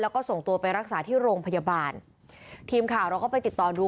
แล้วก็ส่งตัวไปรักษาที่โรงพยาบาลทีมข่าวเราก็ไปติดต่อดู